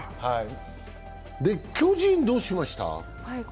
巨人、どうしました？